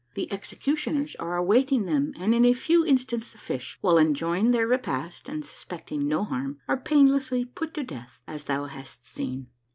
The executionei'S are awaiting them, and in a few instants the fish, while enjoying their repast and suspecting no harm, are painlessly put to death, as thou hast seen."